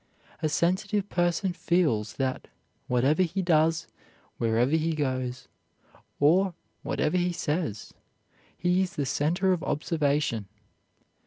A sensitive person feels that, whatever he does, wherever he goes, or whatever he says, he is the center of observation.